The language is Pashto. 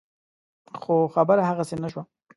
خو خبره هغسې نه شوه.